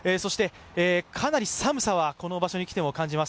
かなり寒さはこの場所に来ても感じます。